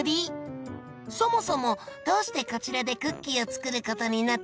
そもそもどうしてこちらでクッキーを作ることになったんですか？